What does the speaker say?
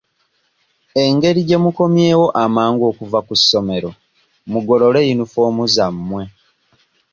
Engeri gye mukomyewo amangu okuva ku ssomero mugolole yunifoomu zammwe.